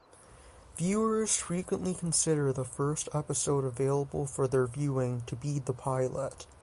Viewers frequently consider the first episode available for their viewing to be the pilot.